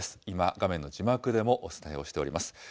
今、画面の字幕でもお伝えをしております。